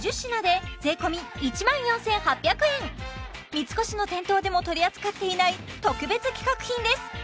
三越の店頭でも取り扱っていない特別企画品です